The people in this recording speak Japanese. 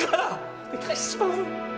お願いします！